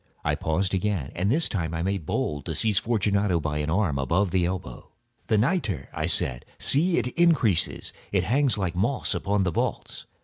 I paused again, and this time I made bold to seize Fortunato by an arm above the elbow. "The nitre!" I said: "see, it increases. It hangs like moss upon the vaults.